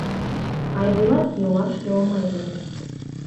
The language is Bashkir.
Айбулат йыуаш йылмайҙы.